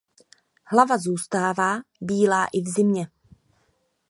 Hlava zůstává bílá i v zimě.